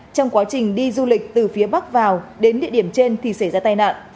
trong quá trình đi du lịch từ phía bắc vào đến địa điểm trên thì xảy ra tai nạn